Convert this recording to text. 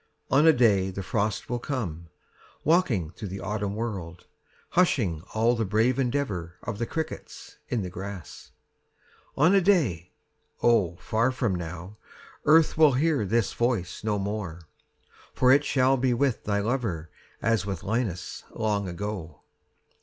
On a day the frost will come, 5 Walking through the autumn world, Hushing all the brave endeavour Of the crickets in the grass. On a day (Oh, far from now!) Earth will hear this voice no more; 10 For it shall be with thy lover As with Linus long ago.